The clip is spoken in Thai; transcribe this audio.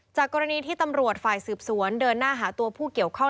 กรณีที่ตำรวจฝ่ายสืบสวนเดินหน้าหาตัวผู้เกี่ยวข้อง